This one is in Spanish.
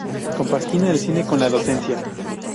Compagina el cine con la docencia.